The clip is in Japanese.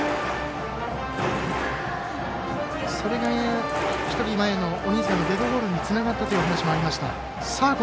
それが１人前の鬼塚のデッドボールにつながったというお話もありました。